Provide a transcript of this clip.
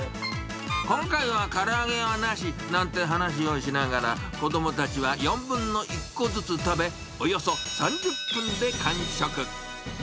今回はから揚げはなしなんて話をしながら、子どもたちは４分の１個ずつ食べ、およそ３０分で完食。